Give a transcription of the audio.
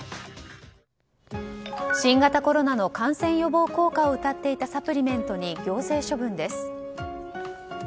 新型コロナの感染予防効果をうたっていたサプリメントに行政処分です。